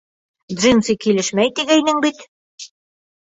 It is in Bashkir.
Джинсы килешмәй, тигәйнең бит.